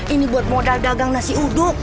ini buat modal dagang nasi uduk